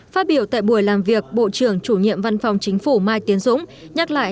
phát biểu tại buổi làm việc bộ trưởng chủ nhiệm văn phòng chính phủ mai tiến dũng nhắc lại